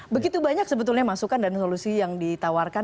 begitu banyak sebetulnya masukan dan solusi yang ditawarkan